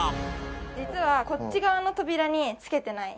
実はこっち側の扉に付けてない。